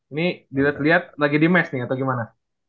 ini dilihat lihat lagi di mes nih atau gimana